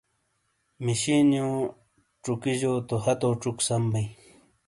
مِشِینو چُکی جو تو ہاتو چُک سَم بیں۔